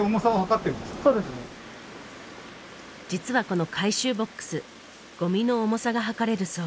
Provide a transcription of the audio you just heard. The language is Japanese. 実はこの回収ボックスゴミの重さが量れるそう。